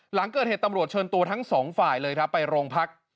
หลังเกิดเหตุตำรวจเชิญตัวทั้งสองฝ่ายเลยครับไปโรงพัก